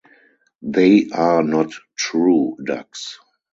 They are not true ducks.